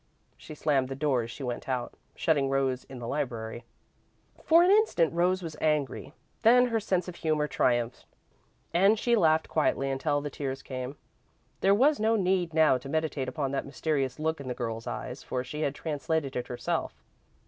She slammed the door as she went out, shutting Rose in the library. For an instant Rose was angry, then her sense of humour triumphed and she laughed quietly until the tears came. There was no need now to meditate upon that mysterious look in the girl's eyes, for she had translated it herself.